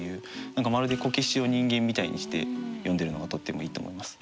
何かまるでこけしを人間みたいにして詠んでるのがとってもいいと思います。